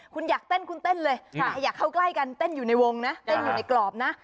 คุณอยากเต้นคุณเต้นเลยอยากเข้าใกล้กันเต้นอยู่ในวงนะเต้นอยู่ในกรอบนะ